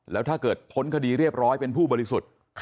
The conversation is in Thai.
แล้วถ้าเกิดพ้นคดีเรียบร้อยเป็นผู้บริสุทธิ์